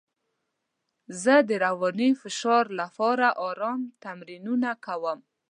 زه د رواني فشار لپاره ارام تمرینونه کوم.